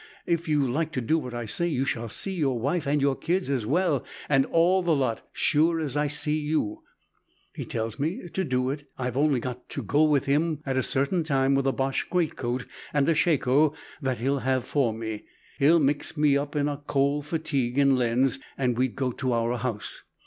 If you like to do what I say, you shall see your wife, and your kids as well, and all the lot, sure as I see you.' He tells me, to do it, I've only got to go with him at a certain time with a Boche greatcoat and a shako that he'll have for me. He'd mix me up in a coal fatigue in Lens, and we'd go to our house.